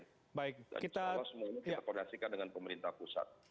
insyaallah semua ini kita koordinasikan dengan pemerintah pusat